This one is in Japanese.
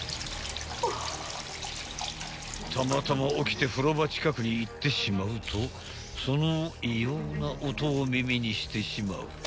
［たまたま起きて風呂場近くに行ってしまうとその異様な音を耳にしてしまう］